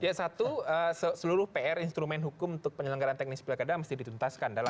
ya satu seluruh pr instrumen hukum untuk penyelenggaraan teknis pilkada mesti dituntaskan